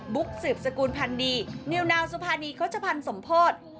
บุ๊กสืบสกูลพันธ์ดีนิวนาวสุภานีเขาชะพันธ์สมโภษ